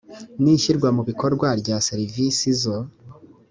n ishyirwamubikorwa rya serivisi zo